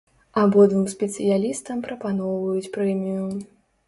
Абодвум спецыялістам прапаноўваюць прэмію.